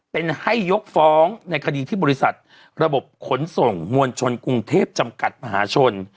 เป็นให้ยกฟ้องในคดีที่บริษัทระบบขนส่งมวลชนกรุงเทพจำกัดมหาชน